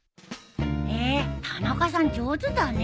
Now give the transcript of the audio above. へえ田中さん上手だね。